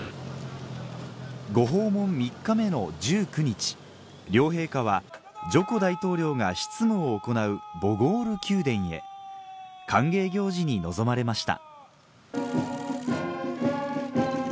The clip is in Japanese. ご訪問３日目の１９日両陛下はジョコ大統領が執務を行うボゴール宮殿へ歓迎行事に臨まれました